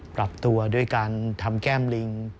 ปรับตัวด้วยการทำแก้มลิง